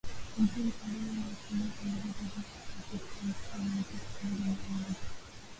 Mkuu Msalaba wa heshima utambuzi juu ya Scottish Rite John mwaka elfu moja mia